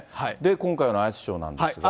今回のアイスショーなんですが。